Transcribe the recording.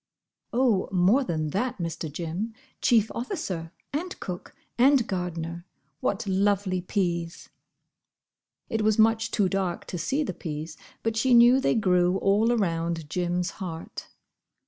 "Oh, more than that, Mr. Jim. Chief officer, and cook, and gardener—what lovely peas!" It was much too dark to see the peas, but she knew they grew all around Jim's heart.